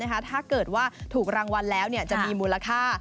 ถ้าเกิดว่าถูกรางวัลแล้วจะมีมูลค่า